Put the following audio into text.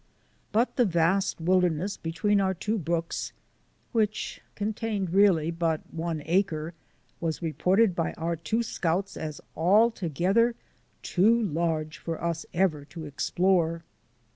But the vast wilderness between our two brooks — which contained really about one acre — was reported by our two scouts as altogether too large for us ever to explore.